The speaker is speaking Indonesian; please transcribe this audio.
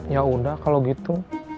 ya udah kalau gitu